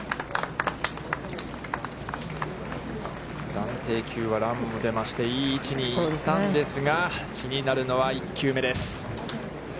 暫定球はランも出まして、いい位置に行ったんですが、気になるのは、１球目です。